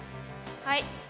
はい。